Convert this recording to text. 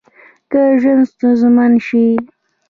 که ژوند ستونزمن شي